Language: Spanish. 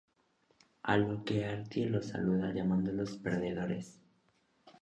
A lo que Artie los saluda llamándolos "perdedores".